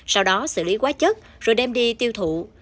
sau đó xử lý quá chất rồi đem đi tiêu thụ